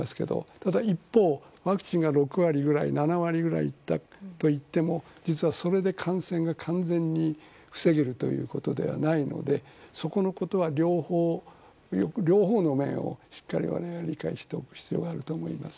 ただ、一方ワクチンが６割ぐらい７割ぐらいといっても実はそれで感染が完全に防げるということではないのでそこのことは両方の面をしっかり、我々は理解しておく必要があると思います。